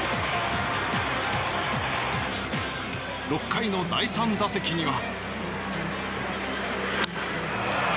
６回の第３打席には。